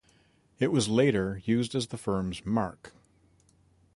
It was later used as the firm's mark.